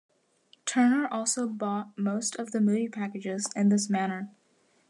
Turner also bought most of the movie packages in this manner.